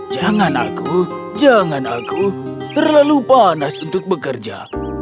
jangan aku jangan aku terlalu panas untuk bekerja